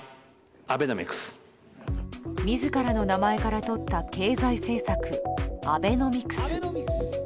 自らの名前からとった経済政策、アベノミクス。